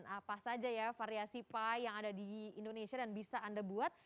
apa saja ya variasi pie yang ada di indonesia dan bisa anda buat